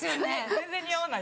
全然似合わない。